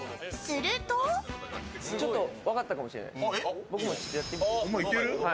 ちょっと分かったかもしれない。